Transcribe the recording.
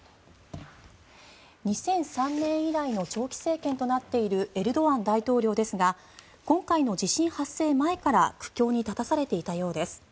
２００３年以来の長期政権となっているエルドアン大統領ですが今回の地震発生前から苦境に立たされていたようです。